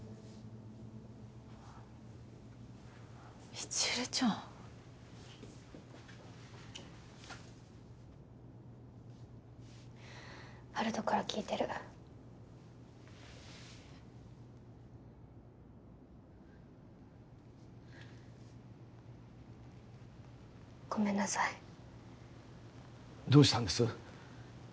未知留ちゃん温人から聞いてるごめんなさいどうしたんです？